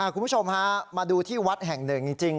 คุณผู้ชมฮะมาดูที่วัดแห่งหนึ่งจริง